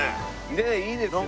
ねえいいですね。